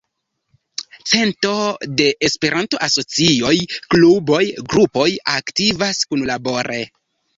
Cento da Esperanto-asocioj, kluboj, grupoj aktivas kunlabore.